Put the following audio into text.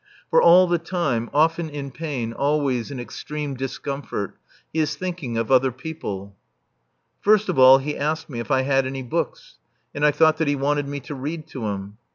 For all the time, often in pain, always in extreme discomfort, he is thinking of other people. First of all he asked me if I had any books, and I thought that he wanted me to read to him.